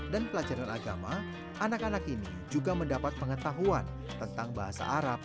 dan pelajaran agama anak anak ini juga mendapat pengetahuan tentang bahasa arab